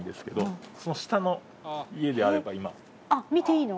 あっ見ていいの？